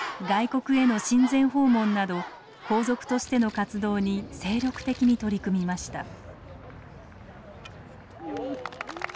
外国への親善訪問など皇族としての活動に精力的に取り組みました。